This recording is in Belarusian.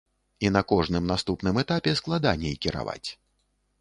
І на кожным наступным этапе складаней кіраваць.